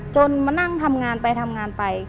มานั่งทำงานไปทำงานไป